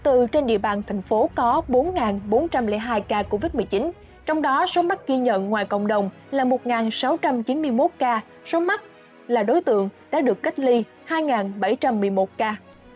trên địa bàn thành phố có bốn bốn trăm linh hai ca covid một mươi chín trong đó số mắc ghi nhận ngoài cộng đồng là một sáu trăm chín mươi một ca số mắc là đối tượng đã được cách ly hai bảy trăm một mươi một ca